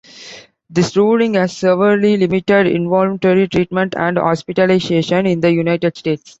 This ruling has severely limited involuntary treatment and hospitalization in the United States.